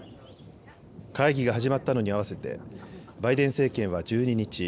会議が始まったのに合わせてバイデン政権は１２日